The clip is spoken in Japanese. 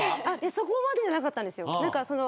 そこまでじゃなかったんです。